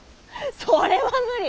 それは無理！